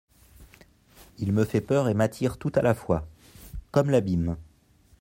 il me fait peur et m'attire tout à la fois … comme l'abîme.